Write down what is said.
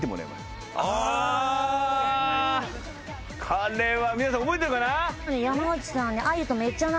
これは皆さん覚えてるかな？